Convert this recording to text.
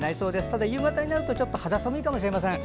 ただ夕方になるとちょっと肌寒いかもしれません。